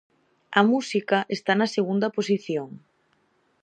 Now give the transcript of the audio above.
A música está na segunda posición.